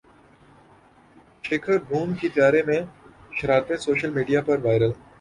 شیکھر دھون کی طیارے میں شرارتیں سوشل میڈیا پر وائرل